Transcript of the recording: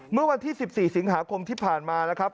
เมื่อวันที่๑๔สิงหาคมที่ผ่านมานะครับ